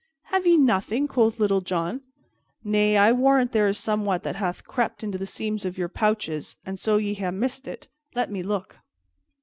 "Have ye nothing?" quoth Little John. "Nay, I warrant there is somewhat that hath crept into the seams of your pouches, and so ye ha' missed it. Let me look."